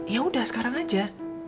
yaudah sekarang aja